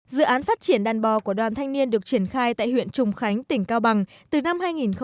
dự án phát triển đàn bò của đoàn thanh niên được triển khai tại huyện trùng khánh tỉnh cao bằng từ năm hai nghìn một mươi